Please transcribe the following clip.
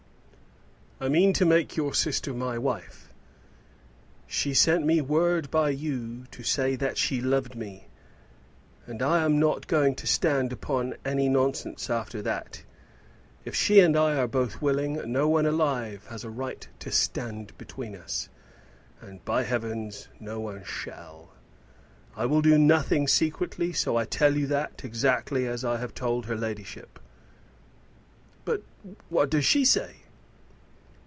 "I mean to make your sister my wife; she sent me word by you to say that she loved me, and I am not going to stand upon any nonsense after that. If she and I are both willing no one alive has a right to stand between us; and, by heavens, no one shall. I will do nothing secretly, so I tell you that, exactly as I have told her ladyship." "But what does she say?"